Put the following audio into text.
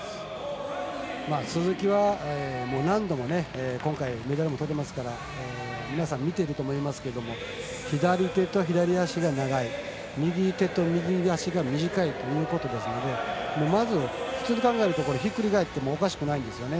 鈴木は何度も今回、メダルとってますから皆さん、見ていると思いますけれども左手と左足が長い右手と右足が短いということですので普通に考えるとひっくり返ってもおかしくないんですよね。